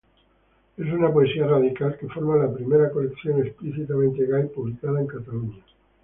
Es una poesía radical, que forma la primera colección explícitamente gay publicada en Cataluña.